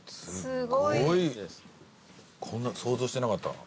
こんな想像してなかった。